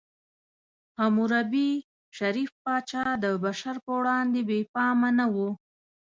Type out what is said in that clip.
حموربي، شریف پاچا، د بشر په وړاندې بې پامه نه و.